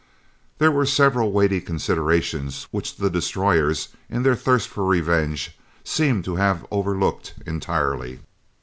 There were several weighty considerations which the "Destroyers," in their thirst for revenge, seemed to have overlooked entirely.